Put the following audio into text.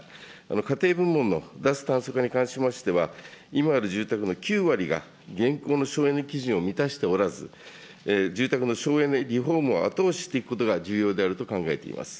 家庭部門の脱炭素化に関しましては、今ある住宅の９割が現行の省エネ基準を満たしたおらず、住宅の省エネ、リフォームを後押ししていくことが重要であると考えています。